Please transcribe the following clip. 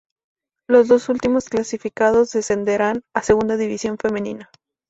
Los dos últimos clasificados descenderán a Segunda División Femenina.